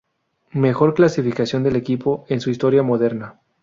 Mejor clasificación del equipo en su historia moderna.